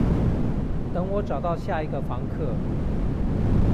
等我找到下一個房客